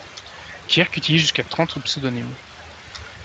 Kirk utilise jusqu'à trente pseudonymes.